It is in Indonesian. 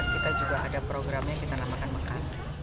kita juga ada programnya yang kita namakan makan